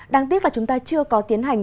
đáng tiếc là chúng ta chưa có tiến hành